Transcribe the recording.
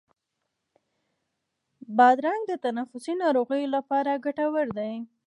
بادرنګ د تنفسي ناروغیو لپاره ګټور دی.